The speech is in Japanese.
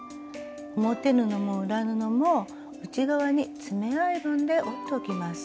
表布も裏布も内側に爪アイロンで折っておきます。